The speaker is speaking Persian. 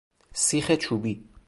سیخ چوبی